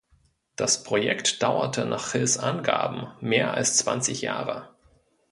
Das Projekt dauerte nach Hills Angaben mehr als zwanzig Jahre.